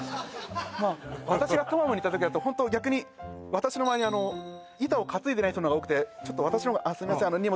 まあ私がトマムに行った時だとホント逆に私の周りに板を担いでない人の方が多くて私のが「すいません荷物」